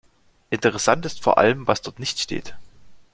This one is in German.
Interessant ist vor allem, was dort nicht steht.